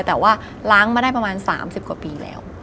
แต่ว่าล้างมาได้ประมาณ๓๐กว่าปีแล้ว